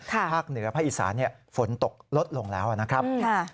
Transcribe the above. ภาคเหนือภาคอีสานฝนตกลดลงแล้วนะครับ